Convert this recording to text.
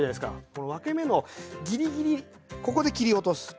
この分け目のギリギリここで切り落とす。